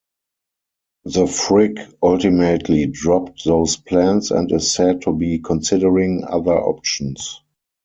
The Frick ultimately dropped those plans and is said to be considering other options.